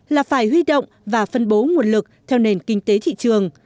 là phải huy động và phân bố nguồn lực theo nền kinh tế thị trường